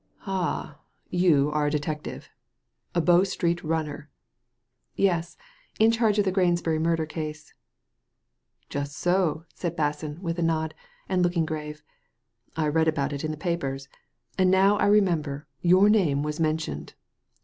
"Ah I You are a detective. A Bow Street Runner." " Yes. In charge of the Grangebury murder case." "Just sol" said Basson, with a nod, and looking grave. " I read about it in the papers ; and now I remember, your name was mentioned.